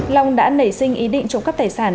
long đã nảy sinh ý định trộm cắp tài sản